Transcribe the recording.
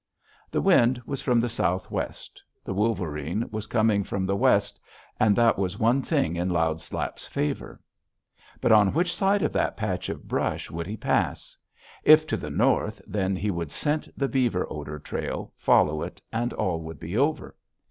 The wind was from the southwest; the wolverine was coming from the west, and that was one thing in Loud Slap's favor. But on which side of that patch of brush would he pass? If to the north, then he would scent the beaver odor trail, follow it, and all would be over.